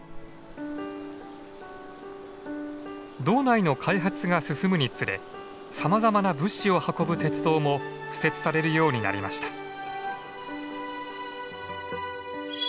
道内の開発が進むにつれさまざまな物資を運ぶ鉄道も敷設されるようになりました。